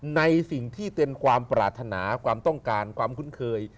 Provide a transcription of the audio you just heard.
ในสิ่งที่เป็นความปรารถนาความต้องการความคุ้นเคย